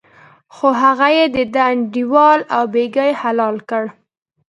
خو هغه چې دده انډیوال و بېګا یې حلال کړی و.